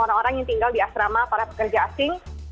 orang orang yang tinggal di asrama para pekerja asing